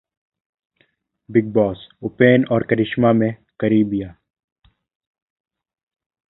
Bigg Boss: Upen और करिश्मा में करीबियां